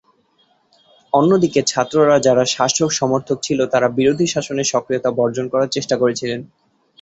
অন্যদিকে, ছাত্ররা যারা শাসক সমর্থক ছিল, তারা বিরোধী শাসনের সক্রিয়তা বর্জন করার চেষ্টা করেছিল।